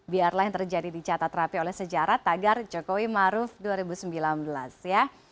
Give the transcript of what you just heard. biarlah yang terjadi dicatat rapi oleh sejarah tagar jokowi maruf dua ribu sembilan belas ya